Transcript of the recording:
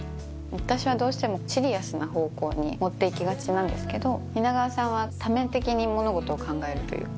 私はどうしてもシリアスな方向に持って行きがちなんですけど蜷川さんは多面的に物事を考えるというか。